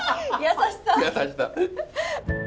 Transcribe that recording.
優しさ。